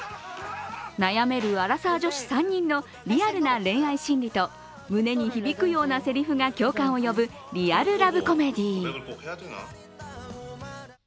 悩めるアラサー女子３人のリアルな恋愛心理と、胸に響くようなせりふが共感を呼ぶリアルラブコメディー。